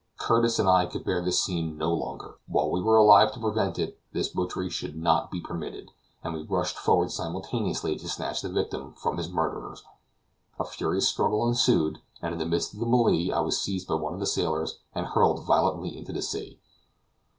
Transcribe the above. Curtis and I could bear this scene no longer; while we were alive to prevent it, this butchery should not be permitted, and we rushed forward simultaneously to snatch the victim from his murderers. A furious struggle ensued, and in the midst of the melee, I was seized by one of the sailors, and hurled violently into the sea.